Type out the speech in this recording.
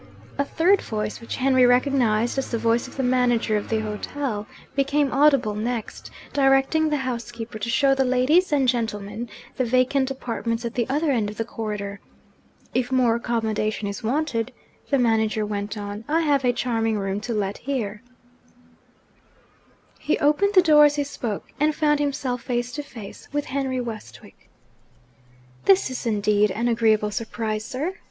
A third voice (which Henry recognised as the voice of the manager of the hotel) became audible next, directing the housekeeper to show the ladies and gentlemen the vacant apartments at the other end of the corridor. 'If more accommodation is wanted,' the manager went on, 'I have a charming room to let here.' He opened the door as he spoke, and found himself face to face with Henry Westwick. 'This is indeed an agreeable surprise, sir!'